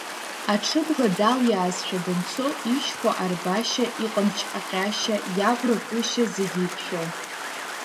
Аҽыбӷа далиаазшәа данцо, ишьхәа арбашьа, иҟамч аҟьашьа, иаӷәра кышьа зегь еиқәшәо…